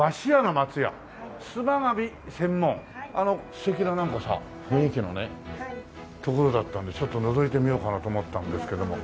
素敵ななんかさ雰囲気のね所だったのでちょっとのぞいてみようかなと思ったんですけども。